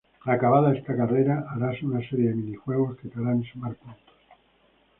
Acabada esta carrera harás una serie de minijuegos que te harán sumar puntos.